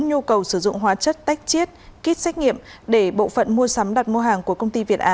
nhu cầu sử dụng hóa chất tách chiết kit xét nghiệm để bộ phận mua sắm đặt mua hàng của công ty việt á